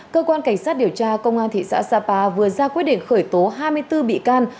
cơ quan cảnh sát điều tra công an thị xã sapa vừa ra quyết định khởi tố hai mươi bốn bị can